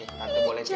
hal gampang buat ian